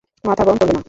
মাথা গরম করবে না।